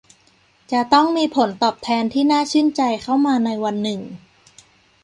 จะต้องมีผลตอบแทนที่น่าชื่นใจเข้ามาในวันหนึ่ง